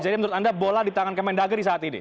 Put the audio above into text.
jadi menurut anda bola di tangan kementerian dageri saat ini